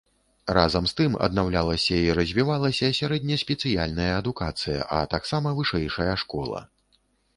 Разам з тым аднаўлялася і развівалася сярэднеспецыяльная адукацыя, а таксама вышэйшая школа.